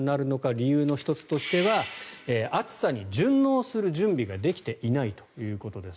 理由の１つとしては暑さに順応する準備ができていないということです。